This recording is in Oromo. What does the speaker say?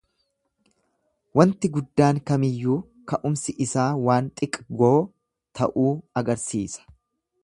Wanti guddaan kamiyyuu ka'umsi isaa waan xiqgoo ta'uu agarsiisa.